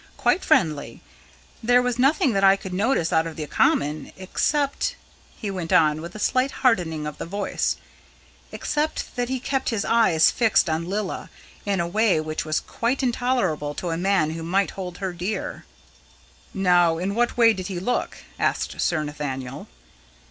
"Quite friendly. There was nothing that I could notice out of the common except," he went on, with a slight hardening of the voice, "except that he kept his eyes fixed on Lilla, in a way which was quite intolerable to any man who might hold her dear." "Now, in what way did he look?" asked Sir Nathaniel.